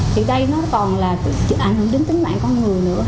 thì đây nó còn là ảnh hưởng đến tính mạng con người nữa